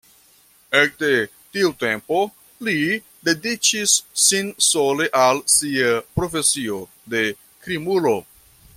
Ekde tiu tempo li dediĉis sin sole al sia „profesio“ de krimulo.